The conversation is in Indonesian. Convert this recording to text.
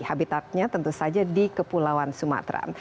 habitatnya tentu saja di kepulauan sumatera